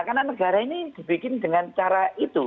karena negara ini dibikin dengan cara itu